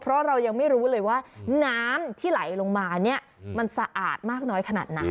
เพราะเรายังไม่รู้เลยว่าน้ำที่ไหลลงมาเนี่ยมันสะอาดมากน้อยขนาดไหน